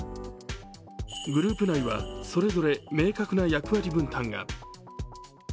グループ内はそれぞれ明確な役割分担が。